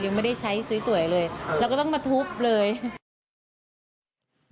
ยังไม่ได้ใช้สวยเลยเราก็ต้องมาทุบเลย